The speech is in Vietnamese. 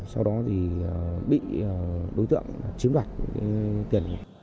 sau đó thì bị đối tượng chiếm đoạt tiền